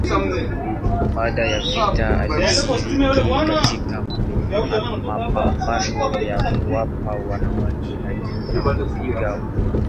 Baada ya vita alishiriki katika mapambano ya kuwapa wanawake haki ya kupiga kura.